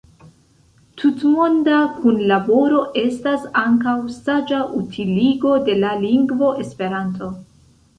Tutmonda kunlaboro estas ankaŭ saĝa utiligo de la lingvo Esperanto.